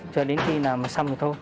cho đến khi nào mà xong thì thôi